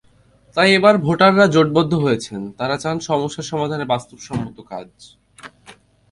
তাই এবার ভোটাররা জোটবদ্ধ হয়েছেন, তাঁরা চান সমস্যা সমাধানে বাস্তবসম্মত কাজ।